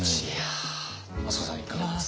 益子さんいかがですか？